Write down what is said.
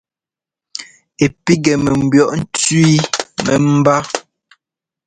Ɛ píkŋɛ mɛ mbʉɔʼ ntsẅí mɛmbá.